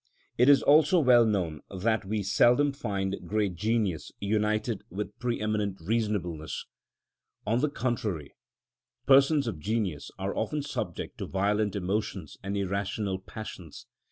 It is also well known that we seldom find great genius united with pre eminent reasonableness; on the contrary, persons of genius are often subject to violent emotions and irrational passions.